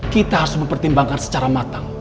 kita harus mempertimbangkan secara matang